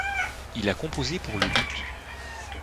Il a composé pour le luth.